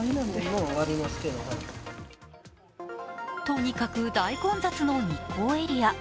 とにかく大混雑の日光エリア。